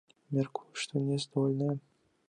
Мяркую, што не здольная.